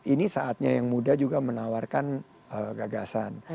ini saatnya yang muda juga menawarkan gagasan